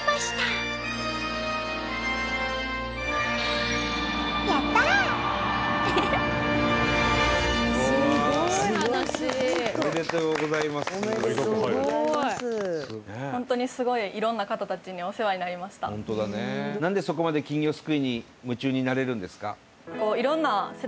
本当にすごい何でそこまで金魚すくいに夢中になれるんですか？